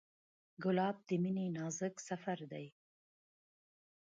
ګلاب د مینې نازک سفر دی.